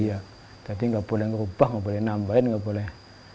iya jadi nggak boleh ngerubah gak boleh nambahin nggak boleh